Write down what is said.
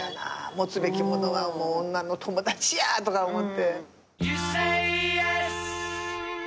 持つべきものは女の友達や！とか思って。